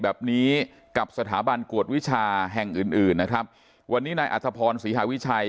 แบบนี้กับสถาบันกวดวิชาแห่งอื่นนะครับวันนี้ในอาทธพรสวี